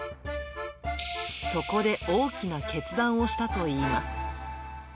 そこで大きな決断をしたといいます。